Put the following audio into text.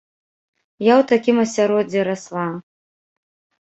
Я ў такім асяроддзі расла.